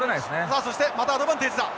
さあそしてまたアドバンテージだ。